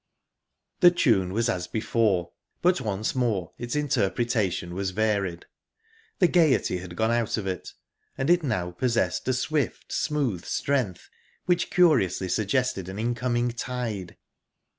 The tune was as before, but once more its interpretation was varied. The gaiety had gone out of it, and it now possessed a swift, smooth strength which curiously suggested an incoming tide.